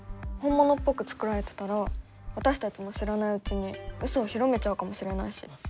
本物っぽくつくられてたら私たちも知らないうちにウソを広めちゃうかもしれないし。